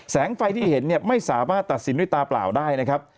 ไฟที่เห็นเนี่ยไม่สามารถตัดสินด้วยตาเปล่าได้นะครับ